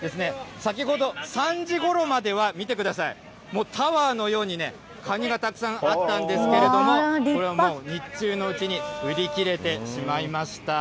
先ほど、３時ごろまでは、見てください、もうタワーのようにね、カニがたくさんあったんですけれども、これはもう日中のうちに売り切れてしまいました。